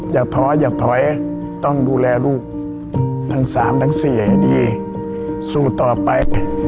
ท้ออย่าถอยต้องดูแลลูกทั้ง๓ทั้ง๔ให้ดีสู้ต่อไป